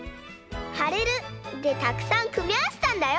「はれる」でたくさんくみあわせたんだよ！